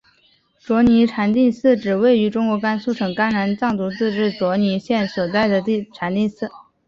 卓尼禅定寺指位于中国甘肃省甘南藏族自治州卓尼县府所在地的禅定寺。